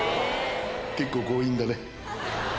結構強引だね。